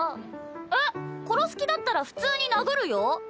えっ殺す気だったら普通に殴るよ。